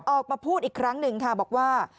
ออกมาพูดอีกครั้งหนึ่งค่ะบอกว่า